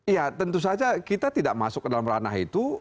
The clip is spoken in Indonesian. ya tentu saja kita tidak masuk ke dalam ranah itu